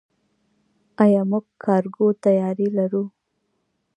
آیا موږ کارګو طیارې لرو؟